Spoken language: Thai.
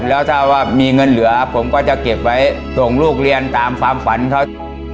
แล้วถ้าว่ามีเงินเหลือผมก็จะเก็บไว้ส่งลูกเรียนตามความฝันเขา